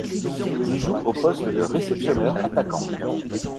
Il joue au poste de réceptionneur-attaquant.